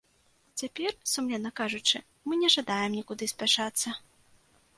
Цяпер, сумленна кажучы, мы не жадаем нікуды спяшацца.